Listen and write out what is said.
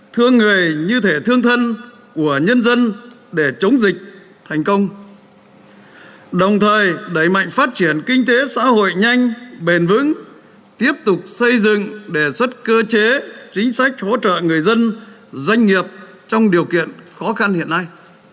thương người như thể thương thân của nhân dân để chống dịch thành công đồng thời đẩy mạnh phát triển kinh tế xã hội nhanh bền vững tiếp tục xây dựng đề xuất cơ chế chính sách hỗ trợ người dân doanh nghiệp trong điều kiện khó khăn hiện nay